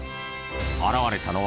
［現れたのは］